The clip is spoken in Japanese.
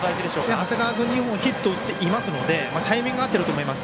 長谷川君もヒットを打っていますのでタイミング合ってると思います。